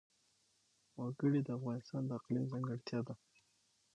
وګړي د افغانستان د اقلیم ځانګړتیا ده.